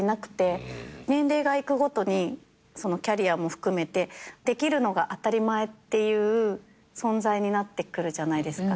年齢がいくごとにキャリアも含めてできるのが当たり前っていう存在になってくるじゃないですか。